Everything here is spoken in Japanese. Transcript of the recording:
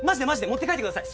持って帰ってください。